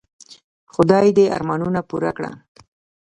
خدای دي ارمانونه پوره کړه .